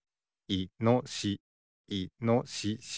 いのしし。